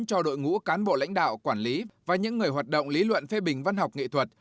cho đội ngũ cán bộ lãnh đạo quản lý và những người hoạt động lý luận phê bình văn học nghệ thuật